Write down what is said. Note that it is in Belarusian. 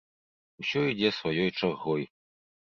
Усё ідзе сваёй чаргой.